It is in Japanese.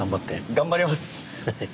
頑張ります。